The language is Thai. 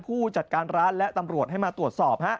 ผู้จัดการร้านและตำรวจให้มาตรวจสอบ